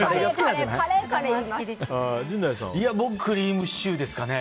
僕、クリームシチューですかね。